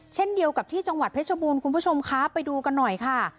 เช่นเดียวกับที่จังหวัดเพชรบูรณ์คุณผู้ชมคะไปดูกันหน่อยค่ะ